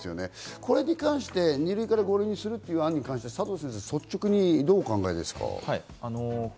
これに関して２類から５類にするという案に関して佐藤先生はどうお考えですか？